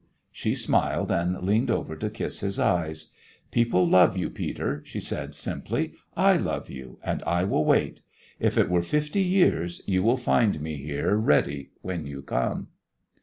She smiled, and leaned over to kiss his eyes. "People love you, Peter," she said, simply. "I love you, and I will wait. If it were fifty years, you will find me here ready when you come."